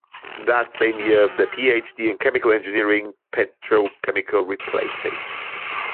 That same year, the PhD in Chemical Engineering Petrochemical replacing.